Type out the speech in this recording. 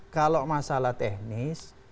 kalau masalah teknis